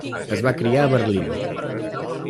Es va criar a Berlín.